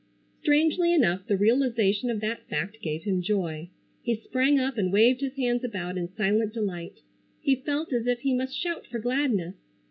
Strangely enough the realization of that fact gave him joy. He sprang up and waved his hands about in silent delight. He felt as if he must shout for gladness.